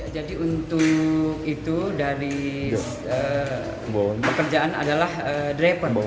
jadi untuk itu dari pekerjaan adalah driver